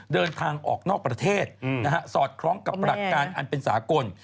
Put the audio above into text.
เดินทางออกนอกประเทศสอดคล้องกับหลักการอันเป็นสากล